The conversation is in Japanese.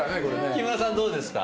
木村さんどうですか？